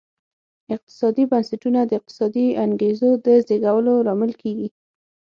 اقتصادي بنسټونه د اقتصادي انګېزو د زېږولو لامل کېږي.